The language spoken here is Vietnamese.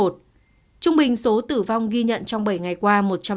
trung bình số tử vong ghi nhận trong bảy ngày qua một trăm linh hai